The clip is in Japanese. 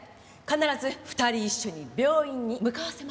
必ず２人一緒に病院に向かわせますので。